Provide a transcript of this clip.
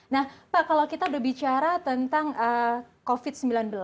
nah pak kalau kita berbicara tentang covid sembilan belas